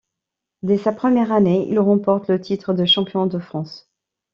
Dès sa première année, il remporte le titre de champion de France.